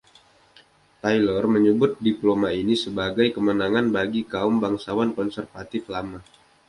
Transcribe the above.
Taylor menyebut Diploma ini sebagai kemenangan bagi kaum bangsawan Konservatif Lama.